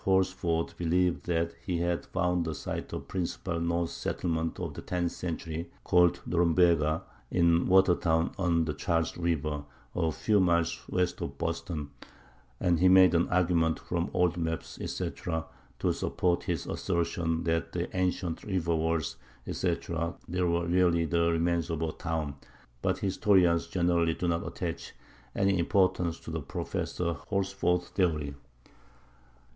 Horsford believed that he had found the site of the principal Norse settlement of the tenth century, called Norumbega, at Watertown, on the Charles River, a few miles west of Boston; and he made an argument from old maps, etc., to support his assertion that the ancient river walls, etc., there were really the remains of a town; but historians generally do not attach any importance to Professor Horsford's theory.